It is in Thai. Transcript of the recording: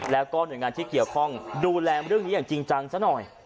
แล้วก็หน่วยงานที่เกี่ยวข้องดูแลเรื่องนี้อย่างจริงจังซะหน่อย